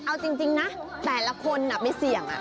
เอาจริงนะแต่ละคนไม่เสี่ยง